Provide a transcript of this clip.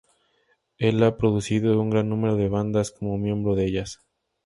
Él ha producido un gran número de bandas como miembro de ellas.